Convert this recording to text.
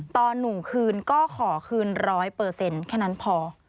ตอนหนูคืนก็ขอคืนร้อยเปอร์เซ็นต์แค่นั้นพอ